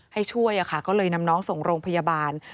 ให้ช่วยก็เลยนำน้องส่งโรงพยาบาล